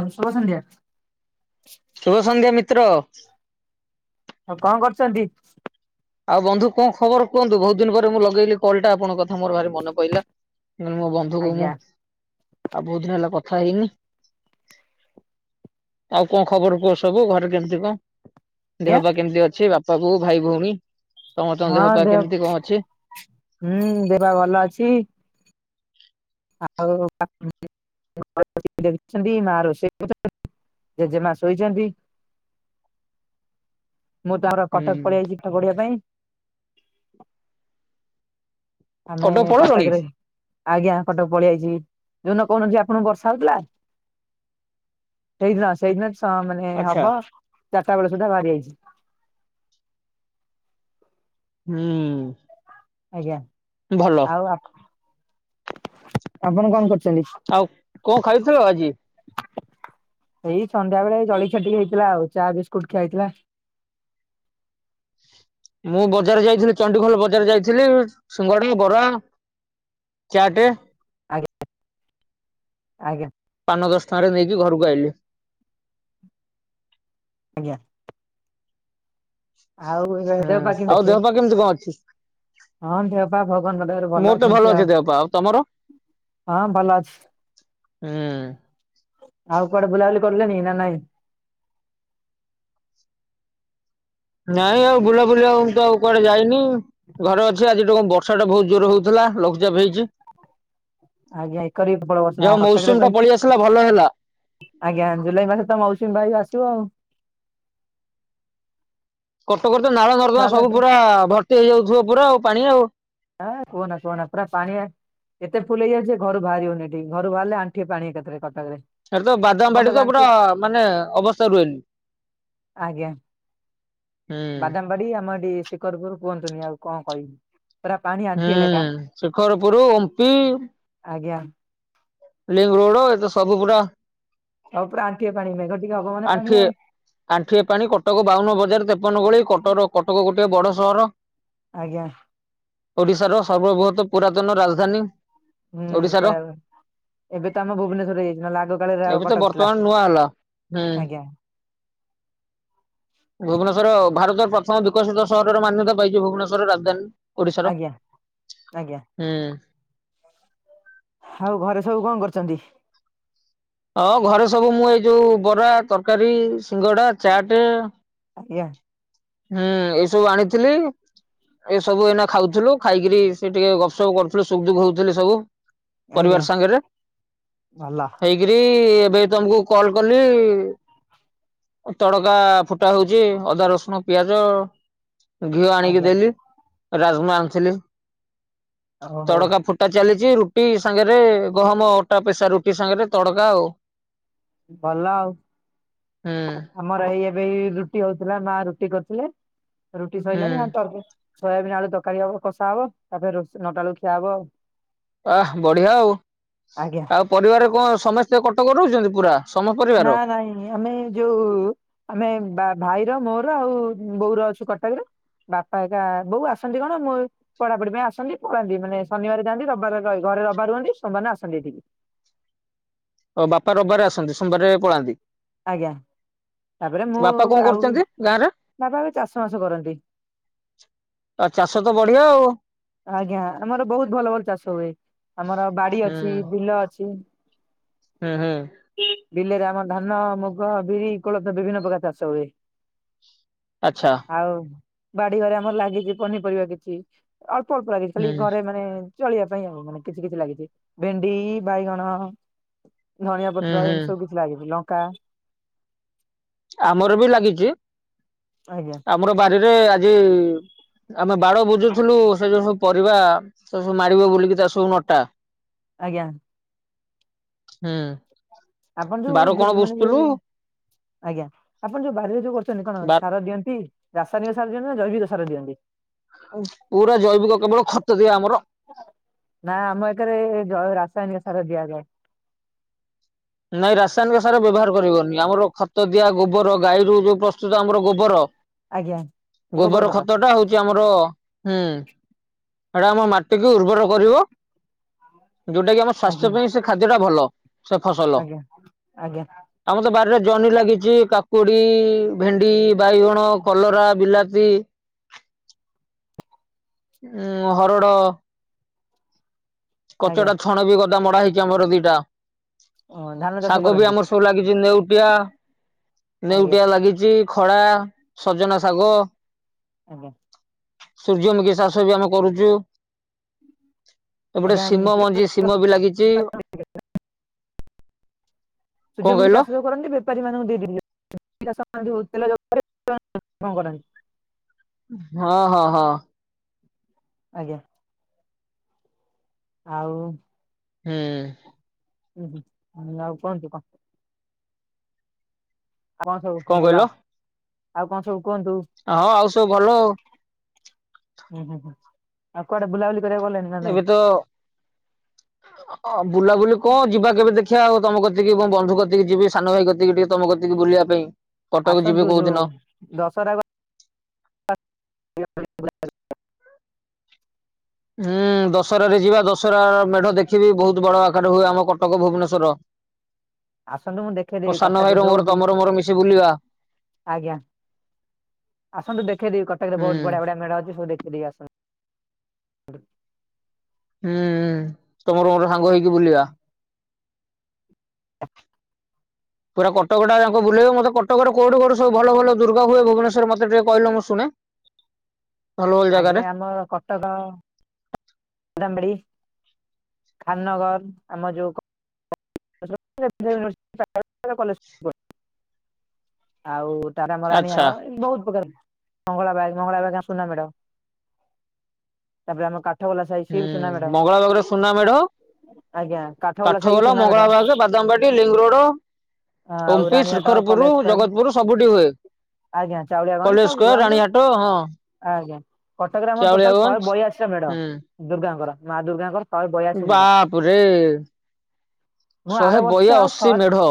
ଅ ଶୁଭ ସନ୍ଧ୍ୟା ଶୁଭ ସନ୍ଧ୍ୟା ମିତ୍ର ଆଉ କଣ କରୁଛନ୍ତି ଆଉ ବନ୍ଧୁ କଣ ଖବର କୁହନ୍ତୁ ବହୁତ ଦିନ ପରେ ମୁଁ ଲଗେଇଲି କଲ ଟା ଆପଣଙ୍କ କଥା ମୋର ଭାର ମନେ ପଇଲା ମୋ ବନ୍ଧୁ କୁ ମୁଁ ଆଜ୍ଞା ଆଉ ବହୁତ ଦିନ ହେଲା କଥା ହେଇନି ଆଉ କଣ ଖବର କୁହ ସବୁ ଘରେ କେମିତି କଣ ଦେହ ଆଜ୍ଞା। ପା କେମିତି ଅଛି ବାପା ବଉ ଭାଇ ଭଉଣୀ ସମସ୍ତଙ୍କ ଦେହ ପା କେମିତି କଣ ଅଛି ହୁଁ ଦେହ ପା ଭଲ ଅଛି [unintelligible] [unintelligible] ମୁଁ ତ ଆମର ହୁଁ କଟକ ପଳେଇଆାଇଛି ପାଠ ପଢିବା ପାଇଁ ଆମେ କଟକ ପଳେଇଲଣି କଟକରେ ଆଜ୍ଞା କଟକ ପଳେଇଆଇଚି ଯୋଉ ଦିନ କହୁନଥିଲି ଆପଣଙ୍କୁ ବର୍ଷା ହଉଥିଲା ସେଇଦିନ ସେଇଦିନ ସ ମାନେ ଆଚ୍ଛା ହବ ଚାରିଟା ବେଳେ ସୁଦ୍ଧା ବାହାରି ଆଇଛି ହୁଁ ଆଜ୍ଞା ଭଲ ଆଉ ଆ ଆପଣ କଣ କରୁଛନ୍ତି ଆଉ କଣ ଖାଇଥିଲ ଆଜି? ଏଇ ସନ୍ଧ୍ୟା ବେଳେ ଜଳଖିଆ ଟିକେ ହେଇଥିଲା ଆଉ ଚା ବିସ୍କୁଟ ଖିଆ ହେଇଥିଲା ମୁଁ ବଜାର ଯାଇଥିଲି ଚଣ୍ଡିଖୋଲ ବଜାର ଯାଇଥିଲି ସିଙ୍ଗଡି ବରା ଚାଟେ ଆଜ୍ଞା ଆଜ୍ଞା ପାନ ଦଶ ଟଙ୍କା ରେ ଦେଇକି ଘରକୁ ଆଇିଲି ଆଜ୍ଞା ଆଉ ଏ ଦେହ ହୁଁ ପା ଆଉ କେମିତି ଦେହ ଅଛି? ପା କଣ ଅଛି? ହଁ ଦେହ ପା ଭଗବାନ ଙ୍କ ଦୟାରୁ ଭଲ ମୋର ତ ଅଛି ଏମିତି ଦେହ ଆଉ ପା ତମର? ହଁ ଭଲ ଅଛି ହୁଁ ଆଉ କୁଆଡେ ବୁଲାବୁଲି କରୁଛନ୍ତି ନା ନାଇଁ ନାଇଁ ଆଉ ବୁଲାବୁଲି ମୁଁ ତ ଆଉ କୁଆଡେ ଯାଇନି ଘରେ ଅଛି ଆଜିଠୁ ବର୍ଷା ଟା ବହୁତ ଜୋରେ ହଉଥିଲା ଲଘୁଚାପ ହେଇଛି ଯାହା ହଉ ମୌସୁମୀ ଟା ପଳେଇ ଆସିଲା ଭଲ ହେଲା। [unintelligible] ଆଜ୍ଞା ଜୁଲାଇ ମାସରେ ତ ମୌସୁମୀ ବାୟୁ ଆସିବ ଆଉ କଟକ ରେ ତ ନାଳ ନର୍ଦମା ବର୍ଷା ସବୁ ହେଲାଠୁ ପୁରା ଭର୍ତି ହେଇଯାଉଥିବ ପୁରା ଆଉ ପାଣି ଆଉ ଏ କୁହନା କୁହନା ପୁରା ପାଣି ଅ କେତେ ଫୁଲ ହେଯାଇାଉଛି ଘରୁ ବାହାରିି ହଉନି ଠିକି ଘରୁ ବାହାରେ ଆଣ୍ଠି ଏ ପାଣି ଏକାଥରେ କଟକରେ। ଏ ତ ବାଦାମ ଆପଣ ବାଡି ତ ପୁରା ଜାଣିଥିବେ ମାନେ ଅବସ୍ଥା ରୁହେନି। ଆଜ୍ଞା ହୁଁ ବାଦାମବାଡ଼ି ଆମର ଏଠି ଶିକରପୁର କୁହନ୍ତୁନି ଆଉ କଣ କହିବି। ପୁରା ପାଣି ହୁଁ ଆଣ୍ଠିଏ ଲେଖା ଶିଖରପୁର ଓମ୍ପି। ଆଜ୍ଞା। ପ୍ଲେଗରୋଡ ଏତ ସବୁ ପୁରା- - ଆଉକ୍ରା। ପାଣି ଗଟିକ ମେଘ ଟିକେ ହବ। [unintelligible] ଆଣ୍ଠୁଏ ପାଣି କଟକ ବାଉନ ବଜାର ତେପନ ଗୋଳି କଟର କଟକ ଗୋଟିଏେ ବଡ ସହର। ଆଜ୍ଞା ଓଡିଶାର ସର୍ବବୃହତ ପୁରାତନ ରାଜଧାନୀ। ହୁଁ ଓଡିଶାର କହିବାକୁ, ଏବେ ତ ଆମ ଭୁବନେଶ୍ୱରରେ ହେଇଛି ଆଗ କାଳରେ ଆଉ ଏବେ ତ କଟକ ଥିଲା। ବର୍ତ୍ତମାନ ନୂଆ ହେଲା। ହୁଁ ଆଜ୍ଞା ଭୁବନେଶ୍ୱର ଭାରତର ପ୍ରଥମ ବିକଶିତ ସହରର ମାନ୍ୟତା ପାଇଛି ଭୁବନେଶ୍ୱରର ରାଜଧାନୀ। ଓଡିଶାର, ଆଜ୍ଞା ଆଜ୍ଞା। ହୁଁ। ଆଉ ଘରେ ସବୁ କଁ କରୁଚନ୍ତି? ହଁ ଘରେ ସବୁ ମୁଁ ଏଇ ଯୋଉ ବରା, ତରକାରୀ, ସିଙ୍ଗଡ଼ା, ଚାଟେ ଆଜ୍ଞା ହୁଁ ଏ ସବୁ ଆଣିଥିଲି। ଏ ସବୁ ଏଇନା ଖାଉଥିଲୁ। ଖାଇକିରି ସେ ଟିକେ ଗପସପ କରୁଥିଲୁ ସୁଖ ଦୁଖ ହଉଥିଲେ ସବୁ। ଆଜ୍ଞା ପରିବାର ସାଙ୍ଗରେ, ଭଲ ହେଇ ରି ଏବେ ତମକୁ କଲ କଲି ତଡକା ଫୁଟା ହଉଚି ଅଦା ରସୁଣ - - ପିଆଜ ଘିଅ ଆଣିକି ଆଜ୍ଞା ଦେଲି ରାଜମା ଆଣିଥିଲି। ଓହୋ ତଡକା ଫୁଟା ଚାଲିଚି। ରୁଟି ସାଙ୍ଗରେ ଗହମ ଅଟା ପେସା ରୁଟି ସାଙ୍ଗରେ ତଡକା ଆଉ। ଭଲ ଆଉ। ହୁଁ ଆମର ଏଇ ଏବେ ରୁଟି ହଉଥିଲା ମା ରୁଟି କରିୁଥିଲେ ରୁଟି ହୁଁ ସରଲାଣି ତର - - ସୋୟାବିନି ଆଳୁ ତରକାରୀ ହବ କଷା ହବ ତାପରେ ର ନଟାଳୁ ଖିଆ ହବ। ଅ ବଢିଆ ଆଉ। ଆଜ୍ଞା ଆଉ ପରିବାର କଣ ସମସ୍ତେ କଟକ ରହୁଚନ୍ତି ପୁରା। ସମ ପରିବାର? ନା ନାଇଁ। ଆମେ ଯୋଉ ଆମେ ଭାଇର ମୋର ଆଉ ବୋଉର ଅଛୁ କଟକରେ। ବାପା ଏକା ବୋଉ ଆସନ୍ତି କଣ ମୁଁ- - ପଢାପଢି ପାଇଁ ଆସନ୍ତି ପଢାନ୍ତି ମାନ ଶନିବାର ଯାଆନ୍ତି ରବିବାର ଘରେ ରବିବାର ହୁଅନ୍ତି ସୋମବାରିନ ଆସନ୍ତି ଏଠିକି। ଓ ବାପା ରବିବାରେ ଆସନ୍ତି ସୋମବାରେ ପଳାନ୍ତି ଆଜ୍ଞା ତାପରେ ମୁଁ ବାପା କଣ ଆଉ କରୁଛନ୍ତି ଗାଁ ରେ? ବାବା ଏବେ ଚାଷ ବାସ କରନ୍ତି। ଆଉ ଚାଷ ତ ବଢିଆ ଆଉ। ଆଜ୍ଞା, ଆମର ବହୁତ ଭଲ ଭଲ ଚାଷ ହୁଏ। ଆମର ବାଡି ହୁଁ ଅଛି ବିଲ ଅଛି। ହୁଁ ହୁଁ ବିଲରେ ଆମର ଧାନ, ମୁଗ, ବିରି, କୋଳଥ ବିଭିନ୍ନ ପ୍ରକାର ଚାଷ ହୁଏ। ଆଛା। ଆଉ ବାଡି ଘରେ ଆମର ଲାଗିଛି ପନିପରିବା କିଛି ଅଳ୍ପ ଅଳ୍ପ ଲାଗିଛି ହୁଁ ଖାଲି ଘରେ ମାନେ ଚଳିବା ପାଇଁ ଆଉ ମାନେ କିଛି କିଛି ଲାଗିଛି ଭେଣ୍ଡି ବାଇଗଣ। ଧଣିଆ ହୁଁ ପତ୍ର ହୁଁ। ଏମିତି ସବୁ କିଛି ଲାଗିଛି ଲଙ୍କା। ଆମର ବି ଲାଗିଛି। ଆଜ୍ଞା। ଆମର ବାରିରେ ଆଜି ଆମେ ବାଡ ବୁଝୁଥିଲୁ ସେ ଯୋଉ ସବୁ ପରିବା ସେ ସବୁ ମାଡିବ ବୋଲିକି ତା ସବୁ ନଟା। ଆଜ୍ଞା। ହୁଁ। ଆପଣ ଯୋଉ ବାର କଣ ବିଲ ମାନେ ବୁଝୁଥିଲୁ ଯୋଉ ଆଜ୍ଞା ଆପଣ ଯୋଉ ବାରି ରେ ଯୋଉ କରୁଛନ୍ତି କଣ ବା ସାର ଦିଅନ୍ତି? ରାସାୟନିକ ସାର ଦିଅନ୍ତି ନା ଜୈବିକ ସାର ଦିଅନ୍ତି। ପୁରା ଜୈବିକ କେବଳ ଖତ ଦିଆ ଆମର। ନା ଆମ ଏକରେ ରାସାୟନିକ ସାର ଦିଆଯାଏ। ନାଇଁ ରାସାୟନିକ ସାର ବ୍ୟବହାର କରିବନି ଆମର ଖତ ଦିଆ ଗୋବର ଗାଈରୁ ଯୋଉ ପ୍ରସ୍ତୁତ ଆମର ଗୋବର ଆଜ୍ଞା ଗୋବର ଖତ ଟା ହଉଛି। ଆମର ହୁଁ ସେଟା ଆମ ମାଟିକୁ ଉର୍ବର କରିବ। ଯୋଉଟା କି ଆମ ଆଜ୍ଞା ସ୍ୱାସ୍ଥ୍ୟ ପାଇଁ ସୋ ଖାଦ୍ୟଟା ଭଲ। ସେ ଫସଲ ଆଜ୍ଞା ଆଜ୍ଞା। ଆମ ତ ବାରିରେ ଜହ୍ନି ଲାଗିଛି କାକୁଡ଼ି ଭେଣ୍ଡି। ବାଇଗଣ କଲରା ବିଲାତି। ଉଁ ହରଡ଼। ଆଜ୍ଞା କଚଟା ଛଣ ବି ଗଦା ମଡା ହେଇଛି ଆମର ଦିଟା। ଅ ଧାନ ଚାଷ ଶାଗ ବି କରନ୍ତି ଆମର ସବୁ ଲାଗିଛି ନେଉଟିଆ ଆଜ୍ଞା ନେଉଟିଆ ଲାଗିଛି। ଜି ଖଳା ସଜନା ଶାଗ। ଓହୋ। ସୂର୍ଯ୍ୟମୁଖୀ ଚାଷ ବି ଆମେ କରୁଛୁ। ଏ ପଟେ ଆଜ୍ଞା ସିମ ମଞ୍ଜି ସିମ ବି ଲାଗିଛି। କଣ ସୂର୍ଯ୍ୟମୁଖୀ କହିଲ ଚାଷ ଯୋଉ କରନ୍ତି ବେପାରୀ ମାନଙ୍କୁ ଦେଇଦଅ [unintelligible] ହଁ ହଁ ହଁ। ଆଜ୍ଞା। ଆଉ ହୁଁ। ହୁଁ ନା ଆଉ କଣ କି? ଆଉ କଣ ସବୁ ଭଲ ଆଉ କଣ ସବୁ କୁହନ୍ତୁ? ହଁ ଆଉ ସବୁ ଭଲ ଆଉ। ହୁଁ ହୁ ହୁଁ ଆଉ କୁଆଡେ ବୁଲାବୁଲି କରିବାକୁ ଗଲେଣି? ନା ନାଇଁ ଏବେ ତ ଅ ବୁଲାବୁଲି କଣ ଯିବା କେବେ ଦେଖିବା ଆଉ ତମ କତିିଁ ବନ୍ଧୁ କକି ଯିବି ସାନ ଭାଇ କତିକି ଟିକେ ତମ କତିକି ବୁଲିବା ପାଇଁ କଟକ ଯିବି କୋଉ ଦିନ? ଦଶହରାକୁ। [inaudible] ହୁଁ ଦଶହରାରେ ଯିବା ଦଶହରା ମେଢ ଦେଖିବି ବହୁତ ବଡ ଆକାର ହୁଏ ଆମ କଟକ ଭୁବନେଶ୍ଵର। ଆସନ୍ତୁ ମୁଁ ଦେଖେଇଦେବି କଟକ ଭାଇର ମୋର ଯୋଉଠି ତମର ମୋର ମିଶି ବୁଲିବା ଆଜ୍ଞା। ଆସନ୍ତୁ ଦେଖେଇ ଦେବି କଟକରେ ହୁଁ ବହୁ ବଢିଆ ବଢିଆ ମେଢ ଅଛି ସବୁ ଦେଖେଇ ଦେବି ଆସନ୍ତୁ। ହୁଁ ତମର ମୋର ସାଙ୍ଗ ହେଇକି ବୁଲିବା। ପୁରା କଟକ ଟା ଜାଙ୍କ ବୁଲେଇବ ମୋତ କଟକରେ କୋଉଠି କୋଉଠି ସବୁ ଭଲ ଭଲ ଦୁର୍ଗା ହୁଏ ଭୁବନେଶ୍ୱର ରେ ମତେ ଟିକେ କହିଲ ମୁଁ ଶୁଣେ। ଭଲ ଭଲ ଆଗେ ଜାଗାରେ ଆମର କଟକ ବାଦାମ୍ ବାଡ଼ି ଖାନନଗର ଆମ ଯୋଉ ପ [unintelligible] ଆଉ ତାରା ଆମ ଆଚ୍ଛା ରାଣୀଆର ବହୁତ ପ୍ରକାର ମଙ୍ଗଳବାଗ ମଙ୍ଗଳବାଗ ଆମ ସୁନା ମେଢ ତାପରେ ଆମ କା ହୁଁ ମଙ୍ଗଳା ବାଗରେ ସୁନା ମେଢ ଆଜ୍ଞା କାଠଗୋଲା କାଠ ସାହି ବି ଗୋଲା ସୁନା ମେଢ ମଙ୍ଗଳା ବାଗ। ବାଦାମବାଡି ଲିଙ୍ଗ ରୋଡ ଆଉ OMP Ranihat Srikharapur college square ଜଗତପୁରୁ ସବୁଠି ହୁଏ। ଆଜ୍ଞା ଚାଉଳିଆଗଞ୍ଜ କଲେଜ ସବୁ ସ୍କୋୟାର ଆମର ରାଣୀ ହାଟ ହଁ। ଆଜ୍ଞା କଟକରେ ଆମର ଟୋଟାଲ ଶହେ ଚାଉଳିଆଗଞ୍ଜ ବୟାଅଶି ଟା ମେଢ ହୁଁ ଦୁର୍ଗାଙ୍କର ମା ଦୁର୍ଗାଙ୍କର ଶହେ ବୟାଅଶୀ ମେଢ ବାପରେ ମୁଁ ଆର ଶହେ ବର୍ଷ ବୟା ଅଶୀ ଶହେ ମେଢ?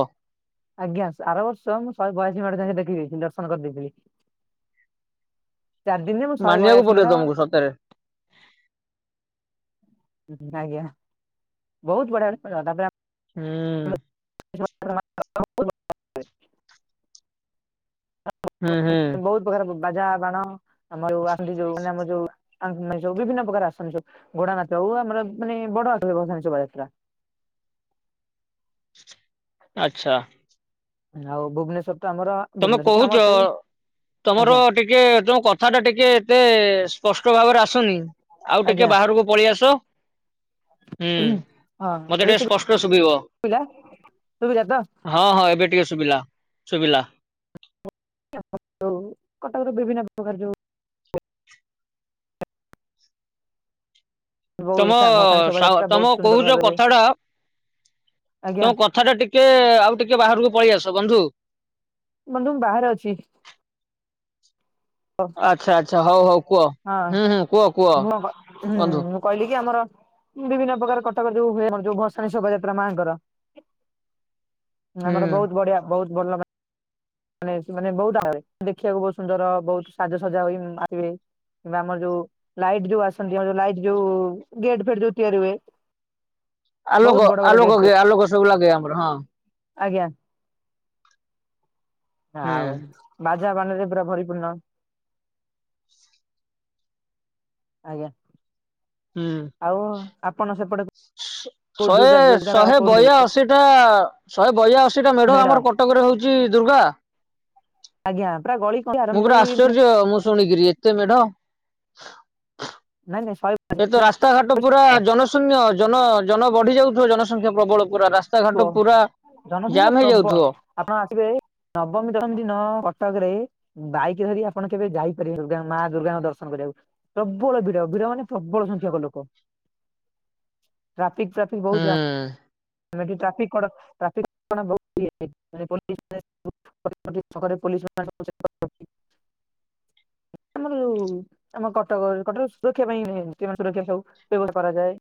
ଆଜ୍ଞା ସ ଆର ବର୍ଷ ମୁଁ ଶହେ ବୟାଅଶୀ ମେଢ଼ ଯାଇଁକି ଦେଖି ଦେଇଥିଲି ଦର୍ଶନ କରିଦେଇଥିଲି। ଚାରି ଦିନରେ ମୁଁ ଶହେ ମାନିବାକୁ ବୟାଅଶୀ ପଡିବ ମେଢ଼ ତମକୁ ସତରେ ହୁଁ ଆଜ୍ଞା ବହୁତ ବଢିଆ ତା ପରେ ଆମ ହୁଁ। [unintelligible] ହୁଁ ହୁଁ। ତେ ପ୍ରକାର ବାଜା ବାଣ ଆମର ଯୋଉ ଆସନ୍ତି ଯୋଉ ମାନେ ଆମ ଯୋଉ ନ୍ତି ସବୁ ବିଭିନ୍ନ ପ୍ରକାର ଆସନ୍ତି ସବୁ ଘୋଡ ନାଚ ହୋଉ ଆମର ମାନେ ବଡ [unintelligible] ଶୋଭାଯାତ୍ରା। ଆଚ୍ଛା। ଆଉ ଭୁବନେଶ୍ଵର ତ ଆମର ତମେ ଭୁବନେଶ୍ୱର ତ ଆମର କହୁଚ ସେଇ ତମର ଆଜ୍ଞା ଟିକେ ତମ କଥା ଟା ଟିକେ ଏତେ ସ୍ପଷ୍ଟ ଭାବରେ ଆସୁନି। ଆଉ ଟିକେ ଆଜ୍ଞା। ବାହାରକୁ ପଳେଇ ଆସ। ହୁଁ ହଁ ମତେ ଏବେ ଟିକେ ସ୍ପଷ୍ଟ ଶୁଭିବ। ଶୁଭିଲା ଶୁଭିଲା ତ ହଁ ହଁ ଏବେ ଟିକେ ସୁବିଲା ସୁବିଲା। [unintelligible] ଯୋଉ କଟକ ର ବିଭିନ୍ନ ପ୍ରକାର ଯୋଉ ବହୁ ତମ ଭସାଣି ସା ଶୋଭାଯାତ୍ରା ବହୁତ ତମ ସୁନ୍ଦର କହୁଚ ଭାବେ ହୁଏ କଥା ଟା ଆଜ୍ଞା ତମ କଥ କଥା ଟା ଟିକେ ଆଉ ଟିକେ ବାହାରକୁ ପଳେଇ ଆସ ବନ୍ଧୁ। ବନ୍ଧୁ ମୁଁ ବାହାରେ ଅଛି। ଆଚ୍ଛା ଆଚ୍ଛା ହଉ ହଉ କୁହ ହଁ ହୁଁ ହୁଁ କୁହ କୁହ ମୁଁ ହୁଁ ବନ୍ଧୁ। ମୁଁ କହିଲି କି ଆମର ବିଭିନ୍ନ ପ୍ରକାର କଟକରେ ଯୋଉ ହୁଏ ଯୋଉ ଭସାଣି ଶୋଭାଯାତ୍ରା ମାଙ୍କର ହୁଁ। ଆମର ବହୁତ ବଢିଆ ବହୁତ ଭଲ ମାନ ମାନେ ମାନେ ବହୁତ ଆ [unintelligible] ଦେଖିବାକୁ ବହୁତ ସୁନ୍ଦର ବହୁତ ସାଜସଜା ହୋଇ ମା ଆସିବେ। କିମ୍ବା ଆମର ଯୋଉ ଲାଇଟ୍ ଯୋଉ ଆସନ୍ତି ଆମ ଯୋ ଲାଇଟ୍ ଯୋଉ ଗେଟ୍ ଫେଟ୍ ଯୋଉ ତିଆରି ହୁଏ ବହୁତ ଆଲୋକ ବଡ ବଡ ଆଲୋକ ଗେଟ୍ କେ ତିଆରି, ଆଲୋକ ସବୁ ଲାଗେ ଆମର ହଁ। ଆଜ୍ଞା। ହୁଁ ଆଉ ବାଜା ବାଣ ରେ ପୁରା ଭରିପୂର୍ଣ୍ଣ। ଆଜ୍ଞା। ହୁଁ। ଆଉ ଆପଣ ସେପଟେ କୋଉ ଦୁର୍ଗା ଦୁର୍ଗା ର କୋଉଠି [unintelligible] ଏଟା ଶହେ ବୟାଅଶୀ ଟା ମେଢ ଆମର କଟକରେ ହଉଚି ଦୁର୍ଗା। ଆଜ୍ଞା ପୁରା ଗଳି କନ୍ଦି ମୁଁ ଆରମ୍ଭ ପୁରା କରି ଆଶ୍ଚର୍ଯ୍ୟ ମୁଁ ଶୁଣିକିରି ଏତେ ମେଢ। ନାଇଁ ନାଇ ଶହେ ଏ ତ ରାସ୍ତାଘାଟ ପୁରା ଜନଶୂନ୍ୟ ଜନ ଜନ ବଢି ଯାଉଥିବ ଜନସଂଖ୍ୟା ପ୍ରବଳ ପୁରା ରାସ୍ତା ରାସ୍ତାଘାଟ ପୁରା ଜନସଂଖ୍ୟା ଜାମ୍ ପ୍ରବଳ ହେଇଯାଉଥିବ? ଆପଣ ଆସିବେ ନବମୀ ଦଶମୀ ଦିନ କଟକରେ ବାଇକ୍ ଧରି ଆପଣ କେବେ ଯାଇପାରିବେ ଦୁର୍ଗା ମା ଦୁର୍ଗାଙ୍କ ଦର୍ଶନ କରିବାକୁ। ପ୍ରବଳ ଭିଡ଼ ଭିଡ ମାନେ ପ୍ରବଳ ସଂଖ୍ୟାକ ଲୋକ। ଟ୍ରାଫିକ୍‌ ଫ୍ରାଫିକ୍ ବହୁ ଜାମ୍। ହୁଁ! [unintelligible] [unintelligible] ଆମର ଯୋଉ ଆମ କଟକ କଟକ ସୁରକ୍ଷା ପାଇଁ ଯୋଉମାନେ ସୁରକ୍ଷା ସବୁ ବ୍ୟବସ୍ଥା କରାଯାଏ।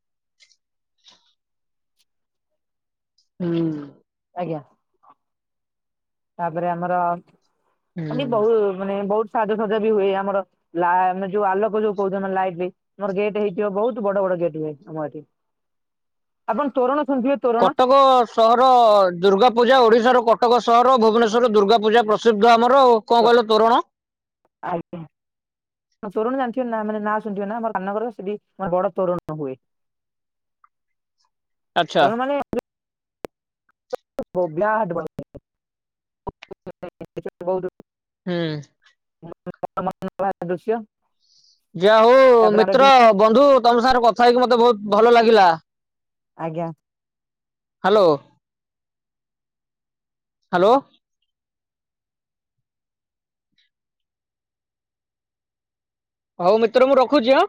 ହୁଁ! ଆଜ୍ଞା! ତାପରେ ଆମର ହୁଁ। ଏମିତି ବହୁ ମାନେ ବହୁତ୍ ସାଜସଜା ବି ହୁଏ ଆମର। ଲା ମାନେ ଯୋଉ ଆଲୋକ ଯୋଉ କହୁଚ ନା ଲାଇଟି। ଆମର ଗେଟ୍ ହେଇଯିବ ବହୁତ୍ ବଡ ବଡ ଗେଟ୍ ହୁଏ ଆମର ଏଠି। ଆପଣ ତୋରଣ [unintelligible] କଟକ ସହର ଦୁର୍ଗାପୂଜା ଓଡ଼ିଶାର କଟକ ସହର ଭୁବନେଶ୍ୱର ଦୁର୍ଗା ପୂଜା ପ୍ରସିଦ୍ଧ ଆମର ଆଉ। କଁ କହିଲ ତୋରଣ? ଆଜ୍ଞା। ତରୋଣ ଜାଣିଥିବେ ନାଁ ମାନେ ନାଁ ଶୁଣିଥିବେ ନା ଆମର [unintelligible] ସେଠି ଆମର ବଡ ତରୋଣ ହୁଏ। ଆଚ୍ଛା ତୋରଣ ମାନେ [unintelligible] ହୁଁ! [unintelligible] ଦୃଶ୍ୟ। ଯା ହଉ ତାପରେ ଆମର ମିତ୍ର ଏଠି ବନ୍ଧୁ ତମ ସାଙ୍ଗରେ କଥା ହେଇକି ମତେ ବହୁତ୍ ଭଲ ଲାଗିଲା। ଆଜ୍ଞା। Hello hello. ହଉ ମିତ୍ର ମୁଁ ରଖୁଚି ଆଁ।